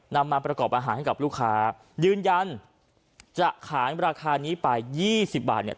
มาประกอบอาหารให้กับลูกค้ายืนยันจะขายราคานี้ไปยี่สิบบาทเนี่ย